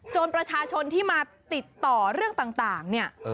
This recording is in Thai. ประชาชนที่มาติดต่อเรื่องต่างเนี่ย